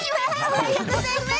おはようございます。